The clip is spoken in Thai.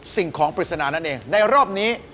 สิ่งของปริศนานั่นเองในรอบนี้